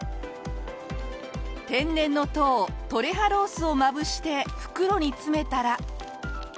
天然の糖トレハロースをまぶして袋に詰めたら。